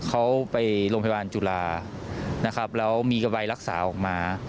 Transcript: เขาไปโรงพยาบาลจุฬานะครับแล้วมีกระใบรักษาออกมา